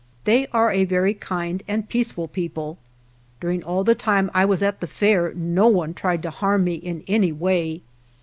They are a very kind and peaceful people. During all the time I was at the Fair no one tried to harm me in any way.